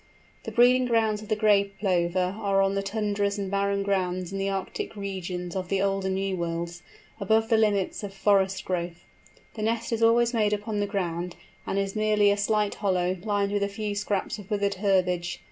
The breeding grounds of the Gray Plover are on the tundras and barren grounds in the Arctic regions of the Old and New Worlds, above the limits of forest growth. The nest is always made upon the ground, and is merely a slight hollow, lined with a few scraps of withered herbage.